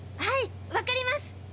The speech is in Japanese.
はいわかります。